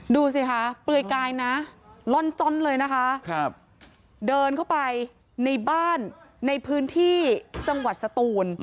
ดูสิคะเปลือยกายนะล่อนจ้อนเลยนะคะเดินเข้าไปในบ้านในพื้นที่จังหวัดสตูน